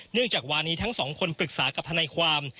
จากวานีทั้งสองคนปรึกษากับทนายความ